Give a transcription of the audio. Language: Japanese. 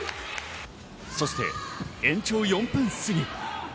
そして延長４分すぎ。